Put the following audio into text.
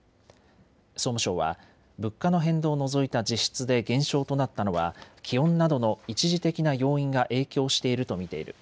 総務省は物価の変動を除いた実質で減少となったのは気温などの一時的な要因が影響していると見ている。